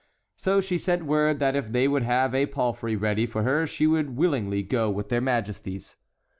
So she sent word that if they would have a palfrey ready for her she would willingly go with their majesties.